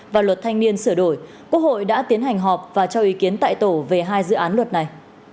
và luật thanh niên sửa đổi quốc hội đã tiến hành họp và cho ý kiến tại tổ về hai dự án luật này